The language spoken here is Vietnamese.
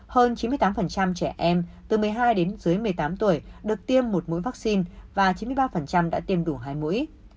hơn chín mươi tám trẻ em từ một mươi hai đến dưới một mươi tám tuổi được tiêm một mũi vaccine và chín mươi ba đã tiêm đủ hai mũi